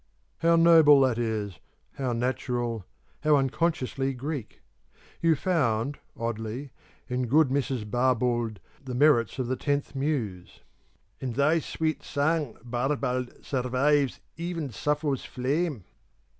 How noble that is, how natural, how unconsciously Greek! You found, oddly, in good Mrs. Barbauld, the merits of the Tenth Muse: In thy sweet sang, Barbauld, survives Even Sappho's flame!